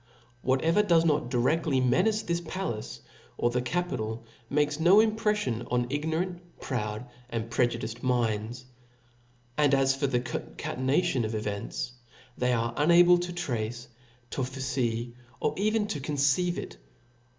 Whatever does not direftly menace to the hif. this palace or the capital, makes no impreffion on^^y^^^ . ignorant, proud, and prejudiced minds s and as the article for the concatenation of events, they are unable to je^^^jj. trace, to forefee, or even to conceive it.